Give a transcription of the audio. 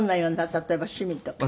例えば趣味とかって。